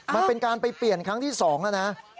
มันเป็นการไปเปลี่ยนครั้งที่๒แล้วนะ